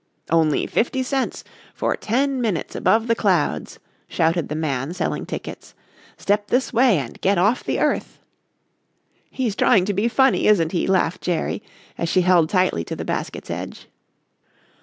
"Only fifty cents for ten minutes above the clouds," shouted the man selling tickets, "step this way and get off the earth." "He's trying to be funny, isn't he?" laughed Jerry as she held tightly to the basket's edge.